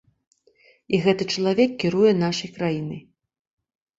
І гэты чалавек кіруе нашай краінай.